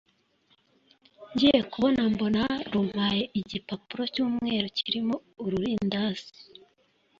ngiye kubona mbona, rumpaye igipapuro cyumweru kirimo ururindazi